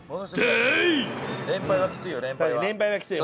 連敗はきついよ。